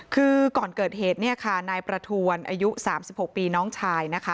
คือก่อนเกิดเหตุนายประทวนอายุ๓๖ปีน้องชาย